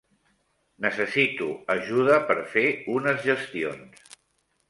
Necessito ajuda per fer unes gestions.